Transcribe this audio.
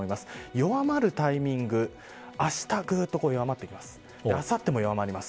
弱まるタイミングあした、ぐっと弱まってきます。